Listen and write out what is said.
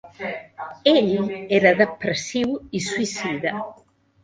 Ell era depressiu i suïcida.